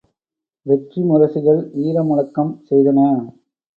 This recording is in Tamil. வெற்றி முரசுகள் வீர முழக்கம் செய்தன!